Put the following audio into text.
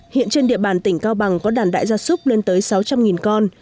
hiện trên địa bàn tỉnh cao bằng có đàn đại gia súc lên tới sáu trăm linh con